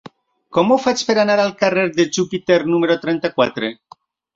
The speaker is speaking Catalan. Com ho faig per anar al carrer de Júpiter número trenta-quatre?